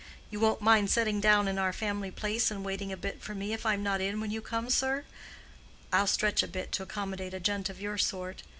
You won't mind sitting down in our family place and waiting a bit for me, if I'm not in when you come, sir? I'll stretch a point to accommodate a gent of your sort.